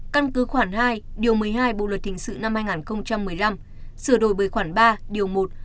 căn cứ khoảng hai điều một mươi hai bộ luật hình sự năm hai nghìn một mươi năm sửa đổi bởi khoản ba điều một